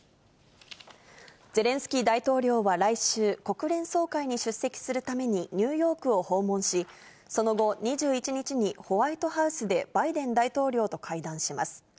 ゼレンスキー大統領は来週、国連総会に出席するためにニューヨークを訪問し、その後、２１日にホワイトハウスでバイデン大統領と会談します。